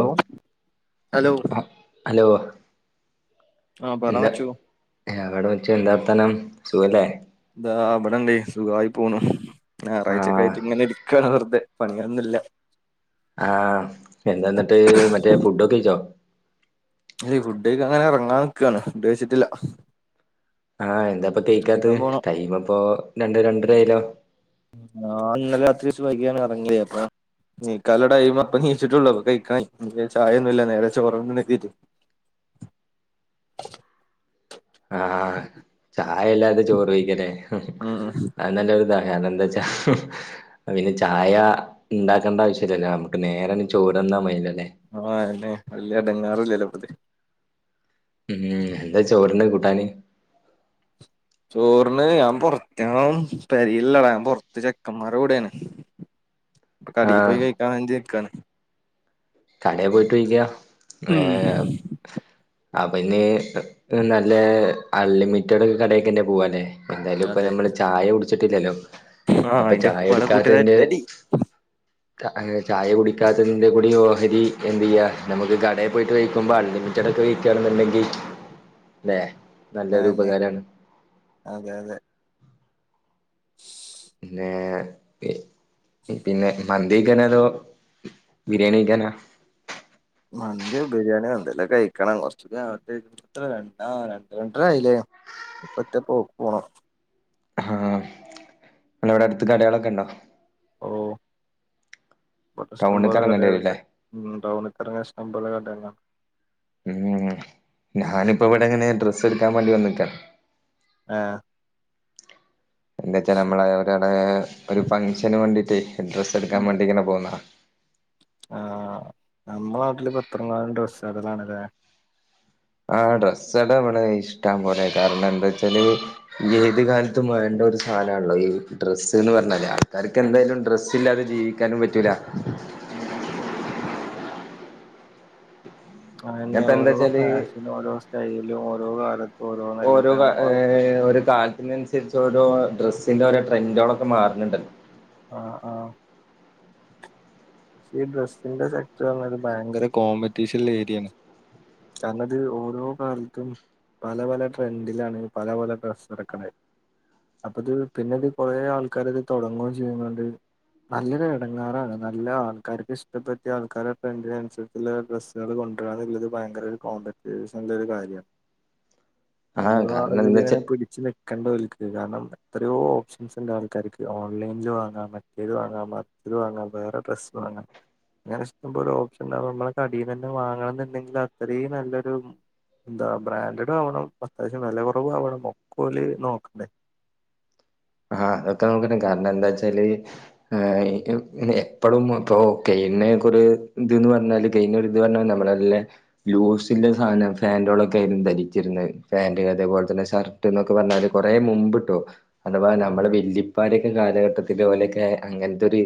ഒഹ്, ആഹ് hello? ആഹ് പറ എന്താ മച്ചു എവടെ വെച്ചു എന്താ വർത്താനം. സുഖല്ലേ? ദാ ബടെണ്ട് സുഖായി പോണൂ. ആഹ് ഞാറാഴ്ചക്കായിട്ട്ങ്ങനെ ഇരിക്കാണ് വെർതെ. പണിയൊന്ന്ല്ല. ആഹ്, എന്താന്നട്ട് മറ്റേ ഫുഡൊക്കെയ്ച്ചോ? ഏയ് ഫുഡെയ്ക്കാങ്ങനെറങ്ങാന്ക്കാണ്. ഫുഡെയ്ച്ചിട്ടില്ല. ആഹ്, എന്താപ്പകെയ്ക്കാത്തെ, പോണം ടൈമ് പ്പോ രണ്ട് രണ്ട് രായല്ലോ ഞാന്നലെ രാത്രി ർച്ച് വൈകിയാണ് എർങ്ങിയേ അപ്പോ നീക്കാല്ല ടൈമാപ്പൊ ണീച്ചിട്ടൊള്ളു. അപ്പ കയ്ക്കാൻ [unintelligible] ചായൊന്നുല്ല നേരെ ചോറുണ്ണണെത്തിട്ട് ആഹ് ചായല്ലാതെ ചോറ് കയ്ക്കാല്ലേ ഉം അത് നല്ലൊരിതാ കാരണം എന്ത്‌വെച്ചാ പിന്നെ ചായ ഇണ്ടാക്കണ്ട ആവശ്യല്ലല്ലോ നമുക്ക് നേരനി ചോറ്ന്നാ മതിയല്ലോല്ലേ ആഹ് അന്നേ വലിയ എടങ്ങേറില്ലല്ലോ അപ്പഴത്തെക്ക്‌ ഉം എന്താ ചോറിന് കൂട്ടാന് ചോറിന് ഞാൻ പൊറത്തണ് പെരിയില്ലടാ ഞാൻ പൊറത്ത് ചെക്കന്മാരുടെ കൂടെണ് പ്പ ആഹ് കടെപോയി കഴിക്കാൻ വേണ്ടി നിക്കാണ് കടെപോയ്‌ കഴിക്കാം ഉം ഏഹ് അപ്പൊ ഇന്ന് നല്ല അൺലിമിറ്റഡ് കടെക്കെ എന്നെ പോവാല്ലേ എന്തായാലും ഇപ്പൊ അതെ നമ്മള് ചായ കുടിച്ചിട്ടില്ലല്ലോ ആഹ് അപ്പൊ അയിന്റെ ചായ ഒക്കപ്പാടെ കുടിക്കാത്തതിന്റെ കൂട്ടുകാരത്തി അടി ത്ത അങ്ങനെ ചായ കുടിക്കാത്തതിന്റെ കൂടി ഓഹരി എന്ത് ചെയ്യ നമുക്ക് കടേ പോയിട്ട് കഴിക്കുമ്പ അൺലിമിറ്റ് കടെപ്പോയിരിയ്ക്കാണെന്നു ണ്ടെങ്കി അല്ലെ നല്ലൊരു അതന്നെ ഉപകാരാണ് അതെ അതെ പിന്ന പി പിന്നെ മന്തികൈക്കണെലോ ബിരിയാണി കയ്ക്കാനോ മന്തിയോ ബിരിയാണിയ എന്തേലോ കഴിക്കണം കുറച്ച്കൂടി ആവട്ടെ ത്ര രണ്ട ആഹ് രണ്ട് രണ്ടരായില്ലേ ഇപ്പ ഒറ്റ പോക്ക്‌ പോണം ങ്ങട അവിടെ അടുത്ത് കടകളൊക്കെണ്ടോ ഓഹ് ഇവിടെ ഇഷ്ടം ടൗണിക്ക് പോലെ ഇറങ്ങേണ്ടി കടകളുണ്ട് വരൂല്ലേ ഉം ടൗണിക്കിറങ്ങിയ ഇഷ്ടം പോലെ കടെണ്ടാകും ഉം ഞാനിപ്പോ ഇവിടെ ഇങ്ങനെ ഡ്രസ്സ് എടുക്കാൻ വേണ്ടി വന്നിക്ക ആഹ് എന്താ വച്ചാ നമ്മള ഒരാളെ ഒരു ഫംഗ്ഷന് വേണ്ടീട്ട് ഡ്രസ്സ് എടുക്കാൻ ഉം വേണ്ടിങ്ങനെ പോന്നതാ ആഹ് നമ്മള നാട്ടില് ഇപ്പ എത്രങ്ങാള് ഡ്രസ്സ്‌ കടകളാണല്ലേ ആഹ് ഡ്രസ്സ്കട ഇവിടെ ഇഷ്ടം പോലെ കാരണം എന്താച്ചാല് ഏത് കാലത്തും വേണ്ട ഒരു സാധനാണല്ലോ ഈ ഡ്രസ്സ്ന്ന് പറഞാല് കാർക്ക് ഉം. എന്തേലും ഡ്രസ്സ് ഇല്ലാതെ ജീവിക്കാനും പറ്റൂല്ല ഉം അതന്നെ പിന്നെപ്പ ഓരോ എന്താച്ചാല് ഫാഷനും ഓരോ സ്റ്റൈലും ഓരോ കാലത്തും ഓരോന്നല്ലേ ഓരോ ഇപ്പം ഏഹ് ഒരു കാലത്തിനനുസരിച്ച് ഓരോ ഡ്രസ്സിന്റെ ഓരോ ട്രെന്റുകളൊക്കെ മാറുന്നുണ്ടല്ലോ ആഹ് ആഹ് പക്ഷ ഈ ഡ്രസ്സിന്റെ സെക്ടർ പറഞ്ഞ ഒരു ഭയങ്കര കോമ്പറ്റീഷനിലേര്യാണ് കാരണം ഇത് ഓരോ കാലത്തും പല പല ട്രെൻഡിലാണ് പല പല ഡ്രസ്സ് ഇറക്കണ് അപ്പ അത് പിന്നെ ഇത് കൊറേ ആൾക്കാര് ഇത് തുടങ്ങുവേം ചെയ്യുന്നുണ്ട് നല്ലൊരു ഇടങ്ങേറാണ് നല്ലതാണ് ആൾക്കാർക്ക് ഇഷ്ട പെട്ടിയ ആൾക്കാടെ ട്രെഡിനനസരിുള്ള ഡ്രസ്സുക കൊണ്ടുവരാ ഭയങ്ക കോ അത്യാവശ്യം നല്ലൊരു കാര്യമാണ് ആഹ് എന്നും കാരണം അതില ഇങ്ങനെ എന്താച്ചാ പിടിച്ചു നി കണ്ടേ ഓൽക്ക് കാരണം എത്രയോ ഓപ്ഷൻസ് ഉണ്ട് ആൾക്കാർക്ക് ഓൺലൈനിൽ വാങ്ങാം മറ്റേത് വാങ്ങാം മറ്റേത് വാങ്ങാം വേറെ ഡ്രസ് സ് വാങ്ങാ അങ്ങനെ ഇഷ്ടോ ഓപ്ഷൻ ഉണ്ടാവും നമ്മളെ കടയി തന്നെ വാങ്ങണം എന്നുണ്ടെങ്കിൽ അത്രയും നല്ലൊരു എന്താ ബ്രാൻഡഡും ആവണം അത്യാവശ്യം വില കുറവ ആവണം ഒക്കെ ഓല് നോക്കണ്ടേ ആഹ് അതൊക്കെ നോക്കണം കാരണം എന്താ വെച്ചാല് എപ്പഴും ഇപ്പൊ കെയ്യുന്നെക്കൊരു ഇതന്ന് പറഞ്ഞാല് ക ഇത് പറഞ്ഞ നമ്മളല്ലെ ലൂസിന്റെ സാധനം ഫാന്റ് കളൊക്കെ ആയിരുന്നു ധരിച്ചിരുന്നത് ഫാന്റ് അതേപോലെ തന്നെ ഷർ എന്നൊക്കെ പറഞ്ഞാല് കൊറേ മുമ്പിട്ടോ അ ഉം നമ്മളെ വെലിപ്പാരൊക്കെ കാലഘട്ടത്തില് ഒലെയക്കെ അങ്ങനത്തെ ഒരു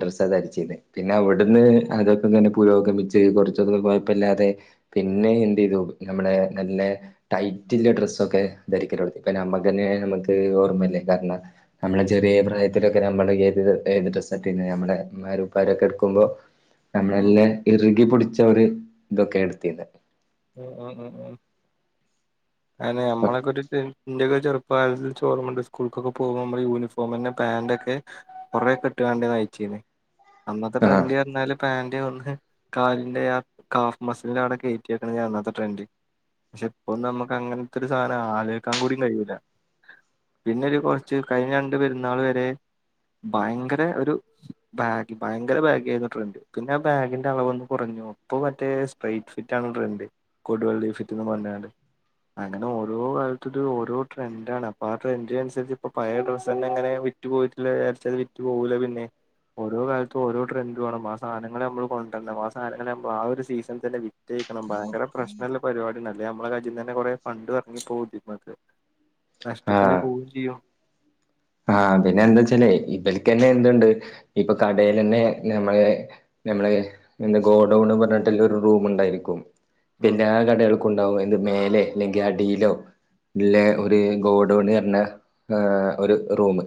ഡ്രസ്സ് അ ധരിച്ചത് പിന്നെ അവിടുന്ന് അതൊക്കെ തന്നെ പുരോഗമിച്ച് കുറച്ച ദ കുഴപ്പമില്ലാതെ പിന്നെ എന്ത് ചെയ്തു നമ്മുടെ നല്ല ടൈറ്റ് ഡ്രസ്സൊക്കെ ധരിക്കല്തുടങി ഇപ്പ നമ്മക്കനെ നമുക്ക് ഓർമ്മല്ലേ കാരണം നമ്മളെ ചെറിയ പ്രായത്തിലൊക്കെ നമ്മള് ത് എത് ഡ്രസ്സ് ആണ് ഇട്ടിരുന്നത് നമ്മളുടെഉമരും ഉപ്പരുംരൊക്കെ എടുക്കുമ്പോൾ [inaudible] നമ്മളെല്ലാം ഇറുകിപൊടിച്ചവര് ഇതൊക്കെ എടുത്തിരുന്ന് ഉം ആ ആ അെ നമ്മളൊക്കെ ഒരു ഇൻറ ചെറുപ്പകലത് ചോർമ്മണ്ട് സ്കൂൾക്കൊക്കെ പോക്പോ ള് യൂണിഫോം ഇപ്പന്നെ പാൻറ് ഒക്കെ കുറെ കിട്ടുഘണ്ട് നയിച്ചിന് അന്നത്തെ ആഹ് ട്രെൻഡ് പറഞ്ഞല്. പാന്റ് ഒന്ന് കാലിന്റെ ആ കാഫ് മസലിന്റെ അവിടെ കയറ്റിക്കുന്ന ഞൻന്നാത്തെ ട്രെൻഡ് പക്ഷെ ഇപ്പൊ നമുക്ക് അങ്ങനത്തെ ഒരു സാധനം ആല കേൾക്കാൻ കൂടിയും കഴുയുല്ല പിന്നെരു കുറച്ച് കഴിഞ്ഞ രണ്ട് പെരുന്നാൾ വരെ ഭയങ്കര ഒരു ബാഗി ഭയങ്കര ബാഗി ആായിരുന്നു ട്രെൻഡ് പിന്നെ ആ ബാഗിന്റെ അളവ് ഒന്ന് കുറഞ്ഞു അപ്പൊ മറ്റേ സ്ട്രൈറ്റ് ഫിറ്റ് ണ്ട് കോടിവെള്ളി ഫിറ്റ്ന്ന് പറഞ്ഞണ്ട് അങ്ങനെ ഓരോ കാലത്തൊ ഓോ ട്രെൻഡണ് അപ്പ ആൻഡ് അനുസരിച്ചപ്പോ പയ ഡ്രസ്ന്നെ അങ്ങെ വിറ്റ് പോയിട്ടില്ല വിച്ച അത് വിറ്റ് പോകുലേ പിന്നെ ഓരോ കാലത്തും ഓരോട്രൻഡറ് വേണം ആ സാധനൾ നമ്മ കൊണ്ടരണം ആ സധനങ്ങൾമ്മ ആ ഒരു സീസണ തന്നെ ക്കണം ഭയര പ്രശ്നമല്ല പരിപാടല്ലേ നമ്മുടെ കജ തന്നെറെേ ഫണ്ട് ഇറങ്ങി പോകും ഇതിന് നഷ്ടത്തില് പോവയും ചെയ്യും ആഹ പിന്നെ എന്താ വച്ചല് ഇവലക്ക്ന്നെ എന്തുണ്ട് ഇപ്പൊ കടൽ തന്നെ നമ്മള് നമ്മളെ എ ഗോഡൗൺന്ന് പറഞ്ഞിട്ടല്ല ഒരു റൂം ഉണ്ടായിരിക്കും ഉം എല്ലാ കടകൾക്കും ഉണ്ടാവും എന്ത് മേലെ അല്ലെങ്കിൽ അ ഡീലോ ഇല്ലെ ഒരു ഗോഡ്ണങ പറഞ്ഞ ഒരു റൂമ്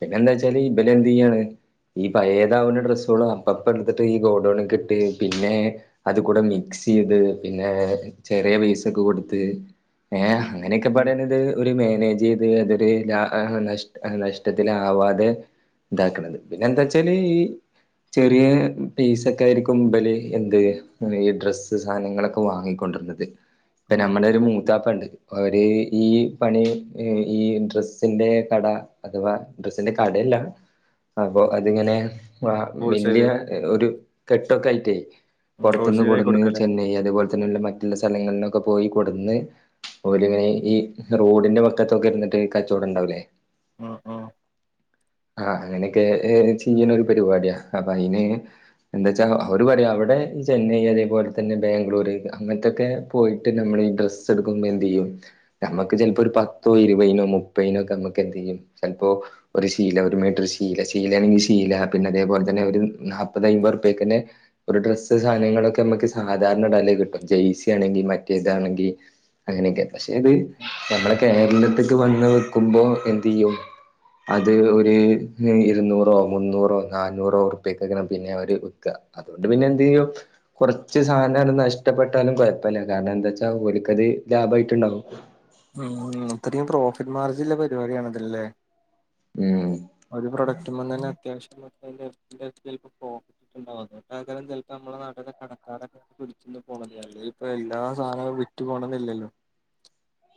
പിന്നെ എന്താ വെച്ചാല് ഈ ബല് എന്ത് ചെയ്യാണ് ഈ പയഏതാവുന്ന ഡ്രസ്സുകളും അപ്പപ്പ എടുത്തിട്ട് ഈ ഗോഡൗൺ കെ ഇട്ടി പിന്നെ അത് കൂടെ മിക്സ് ചെയ്ത് പിന്നെ ചെറിയ പേസ ഒക്കെ കൊടുത്ത്. ഏഹ് അങ്ങനെയൊക്കെ ഉം പാടൻ ഇത് ഒരു മാനേജ് ചെയ്ത് അതൊരു ല നഷ്ടത്തിലെ ആവാതെ ഇതാക്കണത് പിന്നെ എന്താ വച്ചാല് ഈ ചെറിയ പീസ ഒക്കെ ആയിരിക്കും ഇമ്പല് എന്ത് ഈ ഡ്രസ്സ് സാധനങ്ങളൊക്കെ വാങ്ങിക്കൊണ്ടിരുന്നത് ഇപ്പൊ ഉം നമ്മളൊ ഒരു മൂത്താപ്പ ഉണ്ട് അവര് ഈ പണി ഈ ഇൻട്രസിന്റെ കട അഥവാ ഡ്രസിന്റെ കടയല്ല അപ്പൊ അതിങ്ങനെ ആ വലിയ ഹോൾസെയില് ഒരു കെട്ടൊക്കെ ആയിട്ടായി പുറത്തുന്ന് ഹോൾസെയിലായി കൂടന്ന് കൊടുക്കല്ലേ ചെന്നൈ അതുപോലെ മറ്റുള്ള സ്ഥലങ്ങളിലൊക്കെ പോയി കൊടുന്ന് ലും ഇങ്ങനെ ഈ റോഡിന്റെ പക്കത്തൊക്കെ ഇരുന്നിട്ട് കച്ചവടം ഉണ്ടാവലേ ആഹ് ആഹ് ആഹ് അങ്ങനൊക്കെ ഏഹ് ചെയ്യണ ഒരു പരിപാടിയാ അപ്പൊ അയിന് എന്താച്ചാ അവർ പടയ അവിടെ ചെന്നൈ അതേപോലെതന്നെ ബാംഗ്ലൂര് അങ്ങൻത്തെക്കെ പോയിട്ട് നമ്മളീ ഡ്രസ്സൈടുക്കുമ്പോ എന്തയ്യും നമക്ക് ചിലപ്പോ ഒരു പത്തോഇരുപയിനോ മുപ്പയ്നോക്കെ നമ്മുക്ക് എന്തേലു ചിലപ്പോ ഒരു ശീല ഒരു മീറ്റർ ശീല ശീലണെങ്കിൽ ശീല പിന്ന അതേപോലെതന്നെ ഒരു നാപത് അയിമ്പുറുപ്പക്കന്നെ ഒരു ഡ്രസ്സ് സാനങ്ങളൊക്കെ മ്മക്ക് സാധാരണ ഇടലേ കിട്ടും ജേഴ്സി ആണെങ്കിൽ മറ്റേതാണെങ്കിൽ അങ്ങനെക്കെ പശെ ഇത് നമ്മടെ കേരളത്തിക്ക് വന്ന് വിക്കുമ്പോ എന്തയ്യും. അത് ഒരു ഇരുന്നൂറോ മുന്നൂറോ നന്നൂറോ ഉറിപ്പ്യക്ക പിന്നെ അവര് വിക്ക അതു പിന്നെ എന്ത്യ്യും കെറച്ച് സാനം നഷ്ടപ്പെട്ടാലും കൊയപ്പല്ല കാരണം എന്താ വച്ചാ ഒല്ക്കത് ലാഭമായിട്ടുണ്ടാവും ഉം ഇത്രയു പ്രോഫിറ്റ് മാർജള്ള പരിപാടിയാണതല്ലേ ആഹ് ഒരു പ്രൊഡക്റ്റ് തന്നെ അത്യാവശ്യ [unintelligible] ഓഹ് അതൊണ്ടാക്കാരം ചെൽപ്പം നമ്മുട നാട്ടിത്തെ കടക്കാരൊക്കെ ഇവിടെന്ന് പോണത് അല്ല ഇപ്പ എല്ലാ സാനവു വിറ്റ് പോണന്നില്ലല്ലോ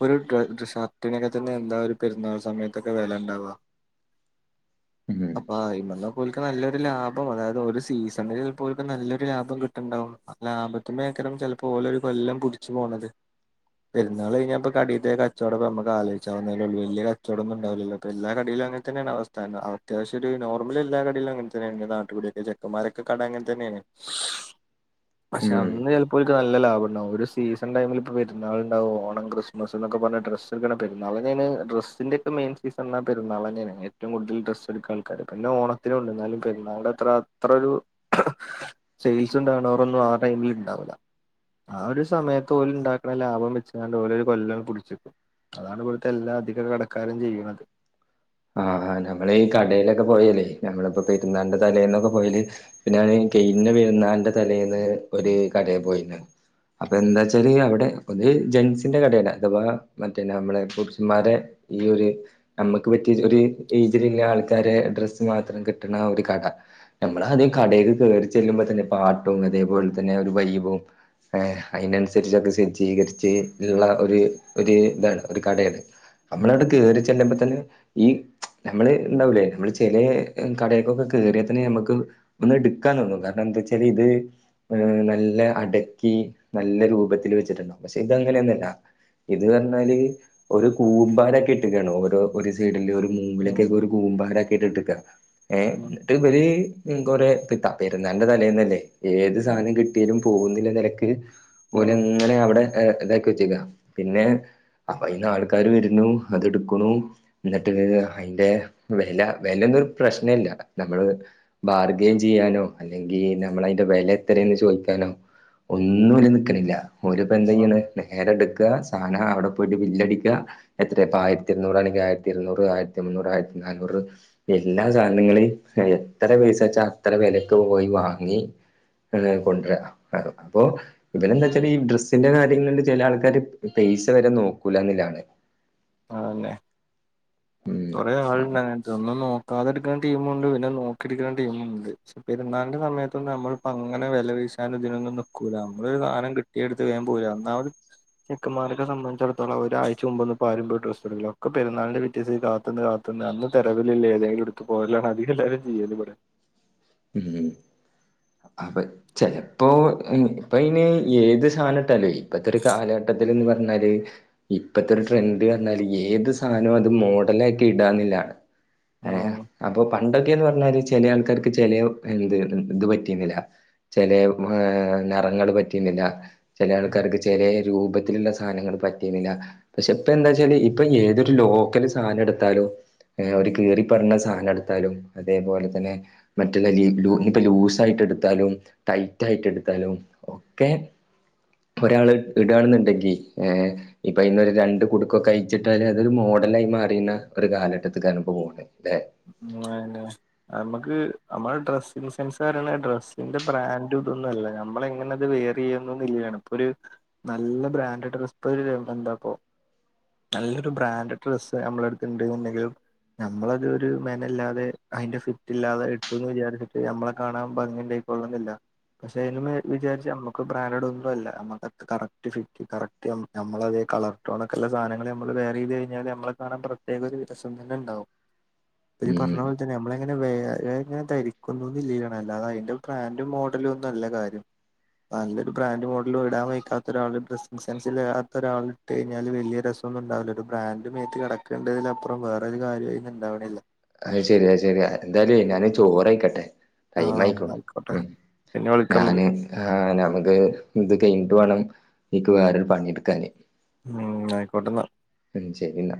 ഒരു ഡ്ര ഷർട്ടിനൊക്കെ തന്നെ എന്താ ഒരു പെരുന്നാൾ സമയത്തൊക്കെ വെലണ്ടാവ ഉം അപ്പ അയിമ്മന്നോലക്ക് നല്ലൊരു ലാഭം അതായത് ഒരു സീസണില് ഒല്ക്ക നല്ലൊരു ലാഭം കിട്ടണ്ടാവും ലാഭത്തുമ്മ ഏക്കരം ചിൽപ്പോ ഓലോരു കൊല്ലം പുടിച്ചു പോണത് പെുന്നാള് കഴിഞ്ഞപ്പ കടിത്തെ കച്ചോടം നമക്ക് ആലോചിവുന്ന വല്യ കച്ചോടൊന്നുണ്ടാവില്ലല്ലോ എല്ലാ കടിലും അങ്ങന തന്നാണ് അവസ്ഥ തന്നെ അത്യാവശ്യരു നോർമൽ എല്ലാ കടയിലും അങ്ങൻതന്നെണ് നാട്ടുകടിയൊക്ക ചെക്കമാരൊക്കെ കട അങ്ങൻതന്നെയാണ് പശെ ഉം അന്ന് ചെൽപ്പോ അപ്പോൽക്ക് നല്ല ലാഭണ്ടാവും ഒരു സീസൺ ടൈമൊക്കെ വെരുന്നാൾണ്ടാവും ഓണ ക്രിസ്മസ ന്നൊക്കെ പറഞ്ഞ ഡ്രസ് പെരുന്നാളന്നയാണ് ഡ്രസ്സിന്റെക്കെ മെയിൻ സീസണ് പെുന്നാളാന്നണ് ഏറ്റവും കൂടുതൽ ഡ്രസ്സ് എടുക്ക ആൾക്കാര് പിന്നെ ഓണത്തിന് ഉണ്ടെന്നാലും പെരുന്നാളിൻ്റെത്ര അത്രരു സെയിൽസ് ഉണ്ടണവറൊന്നും ആ ടൈമിൽ ഉണ്ടാവില്ല ആ ഒരു സമയത്ത് ഓല് ഇണ്ടാക്കണ ലാഭം വെച്ചാണ്ട് ഓലൊരു കൊല്ലം പിടിച്ചക്കും അതാണ് ഇവിടുത്തെ എല്ലാ അധികകടക്കാരും ചെയ്യണത് ആഹ് ആഹ് നമ്മള് ഈ കടയിലൊക്കെ പോയാല് നമ്മളിപ്പോ പെരുന്നാളിൻ്റെ തലേണ്ടെതലേന്നൊക്കെ പോയല് പിന്ന ഞാന് കെയിഞ്ഞ പെരുന്നാളിന്റെ തലേന്ന് ഒരു കടേ പോയിന്ന് അപ്പൊ എന്താച്ചാല് അവിടെ ഒരു ജൻസിന്റെ കടയല് അഥവാ മറ്റേന്ന നമ്മളെ പുരുഷന്മാരെ ഈ ഒരു നമ്മക്ക് നമ്മക്കു പറ്റിയ ഒരു ഏജിലുള്ള ആൾക്കാരെ ഡ്രസ്സ് മാത്ര കിട്ടണൊരു കട നമ്മള ആദ്യം കടെല് കേയറി ചെല്ലുമ്പോതന്നെ പാട്ടും അതേപോലെതന്നെ ഒരു വൈബും ഏഹ് അയിനനുസരിച്ചൊക്കെ സെജ്ജീകരിച്ച് ഇള്ള ഒരു ഒരു ഇതാണ് ഒരു കടയാണ് നമ്മളവിടെ കേറി ചെല്ലുമ്പോ തന്നെ ഈ നമ്മള് ഇണ്ടാവൂലേ നമ്മള് ചെല കടക്കൊക്കെ കേയറിയാ തന്നെ നമ്മക്ക് ഒന്ന് എടുക്കാന്നോന്നു കാരണന്താച്ചാല് ഇത് ഏഹ് നല്ല അടക്കി നല്ല രൂപത്തില് വെച്ചിട്ടുണ്ടാവും ക്ഷെ ഇത്അങ്ങനെയൊന്നുല്ല ഇതറഞ്ഞാല് ഒരു കൂമ്പാരക്കി ഇട്ട്ട്ടക്കാണ് ഓരോ സൈഡില് ഒരു മൂലക്കൊക്കെ ഒരു കൂമ്പാരാ ക്കിട്ട്ക ഏഹ് ഇതബര് കൊറ പെരുന്നാന്റെ തലേന്നല്ലേ ഏത് സാനം കിട്ടിയാലും പോന്നില്ല തെരക്ക് ഒലങ്ങന അവിടെ ഇതാക്കി വെച്ചക്ക പിന്നെ അപ്പ അയിന്ന് ആൾക്കാര് വരുന്നു അതെടക്കണു എന്നിട്ട് അയിന്റെ വെല വൊലന്നരു പ്രശ്നല്ല നമ്മള് ബാർഗയിൻ ചെയ്യാനോ അല്ലെങ്കി നമ്മള അയിന്റെ വിലത്രന്ന് ചോയിക്കാനോ ഒന്നും ഓല് നിക്കണില്ല ഒര് ഇപ്പ എന്തയ്യണ് നേരെട്ക്ക സാനം അവിടെ പോയിട്ട് ബില്ലടിക്ക എത്രയപ്പ ആയിരത്തി എണ്ണൂറാണെങ്കിൽ ആയി ഇരുന്നൂറ് ആയിരത്തി മുന്നൂറ് ആയിരത്തി നാനൂറ് എല്ലാ സാധനങ്ങള് എത്ര പൈസച്ചാ അത്ര വെലക്ക് പോയി വാങ്ങി കൊണ്ടരാ അപ്പൊ ഇവരെന്തച്ചാല് ഈ ഡ്രസ്സിന്റെ കാര്യങ്ങളിൽ ചെല ആൾക്കാാര് പെയ്സ വരെ നോക്കൂലന്നള്ളാണ് ആന്നെ ഉം കൊറെേ ആള്ണ്ട് അങ്ങനെ ഇതൊന്നും നോക്കാതെ എടുക്കണ ടീമുണ്ട് പിന്നെ നോക്കിയെടുക്കണ ടീമുണ്ട് പെരുന്നാളിന്റെ സമയത്തൊന്നും നമ്മളിപ്പോ അങ്ങന വെല വീശാൻ ഇതിനൊന്നും നക്കൂല്ല നമ്മള് ഒരു സാധനം കിട്ടും തട്ടിയെടുത്ത് വേം പോര ഒന്നാമത് ചെക്കന്മാരൊക്കെ സംബന്ധിച്ചിടത്തോളം ഒരാഴ്ച മുമ്പോന്നും ആരും പോയി ഡ്രസ്സ് എടുക്കില്ല ഒക്കെ പെരുന്നാളിന്റെ പിറ്റേസം കാത്ത് ന്ന് കാത്ത്ന്ന് അന്ന് തെരുവിൽ ഉള്ള ഏതേലും എട് ത്ത്പോരലാണ് അധിക എല്ലാരും ചെയ്യല് ഇവിടെ ഉം അതെ ചെലപ്പോ ഇപ്പ അയിന് ഏത് സധാനട്ടാലെ ഇപ്പത്തെ ഒരു കാലഘട്ടത്തില്ന്ന് പറഞ്ഞാല് ഇപ്പത്തെ ഒരു ട്രെൻഡ് പറഞ്ഞാല് ഏത് സാധനോം അത് മോഡലാക്കി ഇടാന്നില്ല ഏ അപ്പൊ പണ്ടൊക്കെന്ന് പറഞ്ഞാല് ചെല ആൾക്കാർക്ക് ചെല എന്ത് ഇത് പറ്റീന്നില്ല ചെല നെറങ്ങൾ പറ്റിന്നില്ല ചെല ഉം ആൾക്കാർക്ക് ചെലേ രൂപത്തിലുള്ള സാധനങ്ങൾ പറ്റിയുന്നില്ല പക്ഷെ ഇപ്പ എന്തച്ചാല് ഇപ്പൊ ഏതൊരു ലോക്കല് സാധനം എടുത്താലും ഏ ഒരു കീറി പറഞ്ഞ സാനം എടുത്താലും അതേപോലെ തന്നെ മറ്റുള്ള ലീ ഇപ്പ ലൂസ് ആയിട്ട് എടുത്താലും ടൈറ്റ് ആയിട്ട് എടുത്താലും ഒക്കെ ഒരാള് ഇടാണ്ന്നുണ്ടെങ്കി ഏ ഇപ്പൊ ഇന്നൊരു രണ്ട് കുടുക്കൊക്കെ അയിച്ചിട്ടാല് അതൊരു മോഡലായി മാറിയുന്ന ഒരു കാലഘട്ടത്തിക്കാണ് ഇപ്പൊ പോണത് [unintelligible] അതന്നെ നമക്ക് നമ്മള് ഡ്രസ്സിങ്ങ് സെൻസ് പറയണ ഡ്രസ്സിന്റെ ബ്രാൻഡ് ഇതൊന്നല്ല നമ്മള് എങ്ങനത് വെ [unintelligible] ഇപ്പൊ ഒരു നല്ല ബ്രാൻഡഡ് [unintelligible] എന്താക്കൊ നല്ലൊരു ബ്രാൻഡഡ് ഡ്രസ്സ് നമ്മള അടുത്ത്ന്ന്ണ്ടെങ്കിലും നമ്മളൊരു ഒരു മെനല്ലാതെ അതിന്റെ ഫിറ്റ് ഇല്ലാതെ ഇട്ടുന്ന് വിചാരിച്ചിട്ട് നമ്മളെ കാണാൻ ഭംഗി ഉണ്ടായിക്കൊളണന്നില്ല പക്ഷെ അതും വിചാരിച്ച് നമ്മക്ക് ബ്രാന്റഡ് ഒന്നല്ല നമ്മക്ക് കറക്റ്റ് ഫിറ്റ് കറക്റ്റ് നമ്മളതേ കളർടോൺ ഒക്കെള്ള സാധനങ്ങള് നമ്മള് വേയറെയ്ത് കയിഞ്ഞാല് നമ്മളെ കാണാൻ പ്രത്യേക ഒരു രസം തന്നെ ഉണ്ടാവും ഈ ഉം പറഞ്ഞ പോലെ തന്നെ നമ്മളെങ്ങനെ വേയ്റെങ്ങനെ ധരിക്കുന്നുന്നില്ലേണ് അല്ലാതെ അതിന്റെ ബ്രാൻഡും മോഡ [unintelligible] നല്ല കാര്യം നല്ലൊരു ബ്രാൻഡ് മോഡല് ഇടാൻ വയിക്കാത്ത ഒരാള് ഡ്രസ്സിങ് സെൻസില്ലാത്ത ഒരാള് ഇട്ട് കയിഞ്ഞാലും വല്യ രസൊന്ന്ണ്ടാവില്ല ഒരു ബ്രാന്റ് മേത്ത് കെടക്ക്ണ്ടന്നതിലപ്പറും വേറൊരു കാര്യവും അതിന്ന് ഉണ്ടാവണില്ല. അത് ശരിയ ശെരിയ എന്തായാലും ഞാനെ ചോറയിക്കട്ടെ ടൈം ആഹ് ആയിക്കണു ആയിക്കോട്ടെ പിന്നെ വിളിക്കാം നമുക്ക് ഞാന് ആ നമുക്ക് ഇത് കയിഞ്ഞിട്ട് വേണം ഇക്ക് വേറൊരു പണിയെടുക്കാന് ഉം ആയിക്കോട്ടന്ന ഉം ശരിന്ന